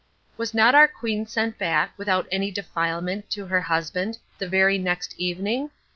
Was not our queen sent back, without any defilement, to her husband, the very next evening?